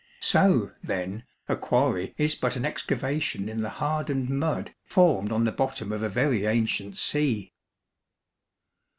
So, then, a quarry is but an excavation in the hardened mud formed on the bottom of a very ancient sea.